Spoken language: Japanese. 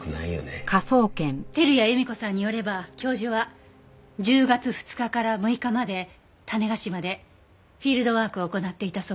照屋江美子さんによれば教授は１０月２日から６日まで種子島でフィールドワークを行っていたそうよ。